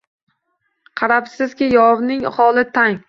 Qarabsizki, yovning holi tang.